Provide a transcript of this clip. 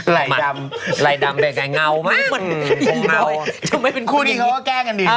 ไหล่ดำไหล่ดำเป็นไงเงามากมันเหมือนจะไม่เป็นคู่นี้เขาก็แกล้งกันดี